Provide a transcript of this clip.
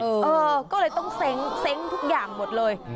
เออก็เลยต้องเซ้งทุกอย่างหมดเลย